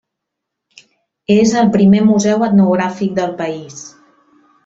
És el primer museu etnogràfic del país.